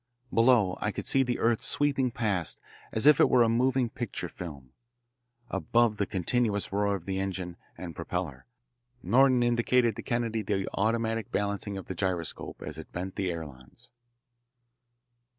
Below I could see the earth sweeping past as if it were a moving picture film. Above the continuous roar of the engine and propeller Norton indicated to Kennedy the automatic balancing of the gyroscope as it bent the ailerons.